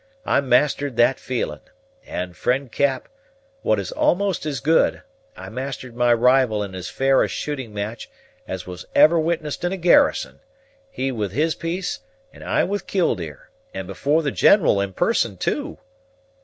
I mastered that feeling; and, friend Cap, what is almost as good, I mastered my rival in as fair a shooting match as was ever witnessed in a garrison; he with his piece, and I with Killdeer, and before the General in person too!"